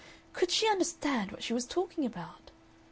Could she understand what she was talking about?